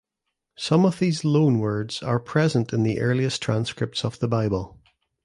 Some of these loan words are present in the earliest transcripts of the Bible.